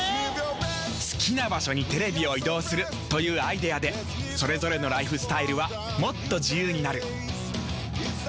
好きな場所にテレビを移動するというアイデアでそれぞれのライフスタイルはもっと自由になる。